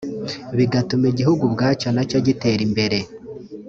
bigatuma igihugu ubwacyo na cyo gitera imbere